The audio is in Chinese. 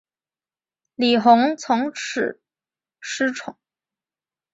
李弘从此失宠。